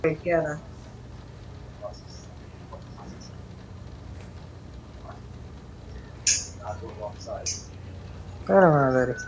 আমি এখনই পালাই।